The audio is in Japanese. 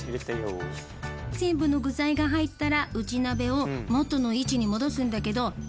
全部の具材が入ったら内鍋を元の位置に戻すんだけど。